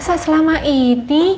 masa selama ini